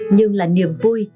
nhưng là niềm vui